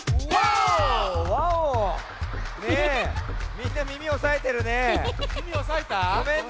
みんなみみおさえてるね。